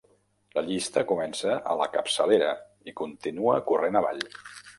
La llista comença a la capçalera i continua corrent avall.